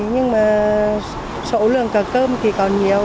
nhưng mà số lượng cả cơm thì còn nhiều